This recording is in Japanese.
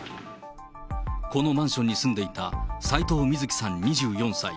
このマンションに住んでいた斎藤瑞希さん２４歳。